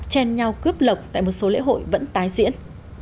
chen nhau cướp lọc tại một số lễ hội vẫn tái diễn